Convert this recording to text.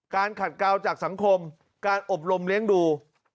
ขัดกาวจากสังคมการอบรมเลี้ยงดู